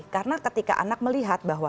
karena ketika anak melihat bahwa